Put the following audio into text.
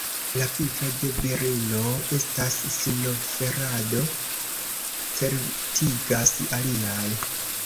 La vivo de virino estas sinoferado, certigas aliaj.